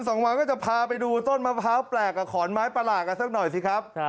สองวันก็จะพาไปดูต้นมะพร้าวแปลกกับขอนไม้ประหลาดกันสักหน่อยสิครับ